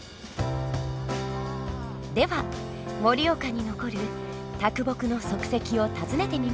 では盛岡に残る木の足跡を訪ねてみましょう。